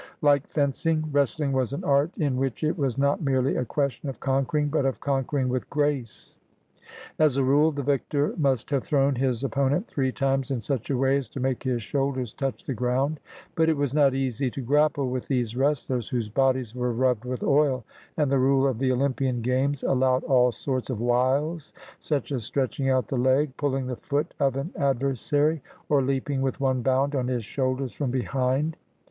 Like fencing, wrestling was an art in which it was not merely a question of conquering, but of conquering with grace. As a rule the victor must have thrown his opponent three times in such a way as to make his shoulders touch the ground ; but it was not easy to grapple with these wres tlers, whose bodies were rubbed with oil, and the rule of the Olympian games allowed all sorts of wiles, such as stretching out the leg, pulling the foot of an adversary, or leaping with one bound on his shoulders from behind.